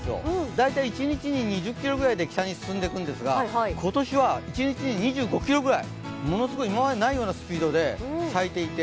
大体一日に２０ｋｍぐらいで北に進んでいくんですが、今年は一日に２５キロぐらい、今までにないようなスピードで咲いていて